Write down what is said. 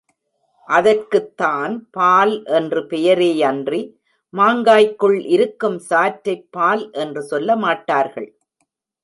அதற்குத்தான் பால் என்று பெயரேயன்றி மாங்காய்க்குள் இருக்கும் சாற்றைப் பால் என்று சொல்ல மாட்டார்கள்.